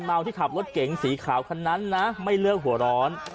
เมาที่ขับรถเก๋งสีขาวคันนั้นนะไม่เลือกหัวร้อน